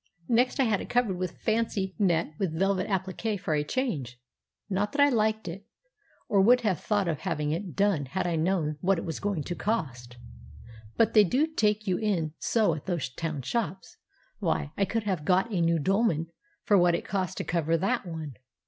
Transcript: Next I had it covered with fancy net with velvet appliqué for a change—not that I liked it, or would have thought of having it done had I known what it was going to cost. But they do take you in so at those town shops; why, I could have got a new dolman for what it cost to cover that one!